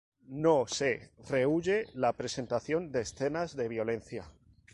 No se rehúye la presentación de escenas de violencia.